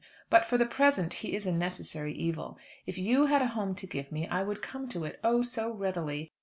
But for the present he is a necessary evil. If you had a home to give me, I would come to it oh, so readily!